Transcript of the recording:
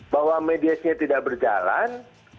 bahwa mediasinya tidak berjalan